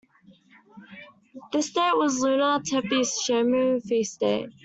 This date was a lunar Tepi Shemu feast day.